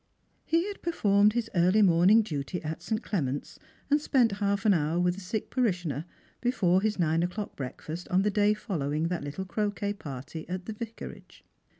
He had performed his early morning duty at St. Clement's, and spent lialf an hour with a sick parishioner, before his nine o'clock bieakfast on the day following that little croquet party at the Vicarage.